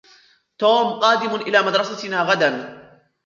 توم قادمٌ إلى مدرستنا غداً.